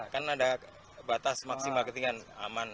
kan ada batas maksimal ketinggian aman